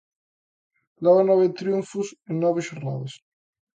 Levan nove triunfos en nove xornadas.